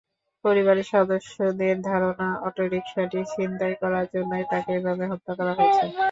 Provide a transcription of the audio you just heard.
পরিবারের সদস্যদের ধারণা, অটোরিকশাটি ছিনতাই করার জন্যই তাঁকে এভাবে হত্যা করা হয়েছে।